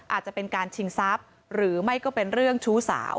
อาจจะเป็นการชิงทรัพย์หรือไม่ก็เป็นเรื่องชู้สาว